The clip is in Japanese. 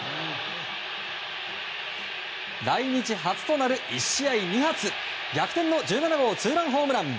来日初となる１試合２発、逆転の１７号ツーランホームラン！